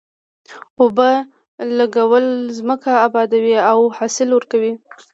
اوبو لګول ځمکه ابادوي او حاصل ورکوي.